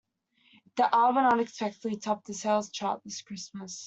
The album unexpectedly tops the sales chart this Christmas.